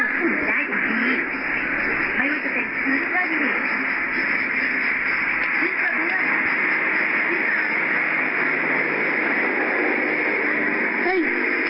โจรสันโจรสัน